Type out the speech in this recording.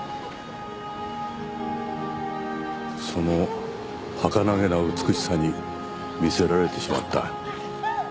そのはかなげな美しさに魅せられてしまった。